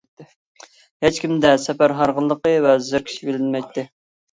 ھېچكىمدە سەپەر ھارغىنلىقى ۋە زېرىكىش بىلىنمەيتتى.